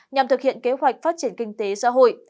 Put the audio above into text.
nhằm thực hiện kế hoạch phát triển kinh tế xã hội